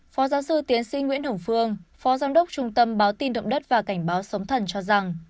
phó giáo sư tiến sĩ nguyễn hồng phương phó giám đốc trung tâm báo tin động đất và cảnh báo sống thần cho rằng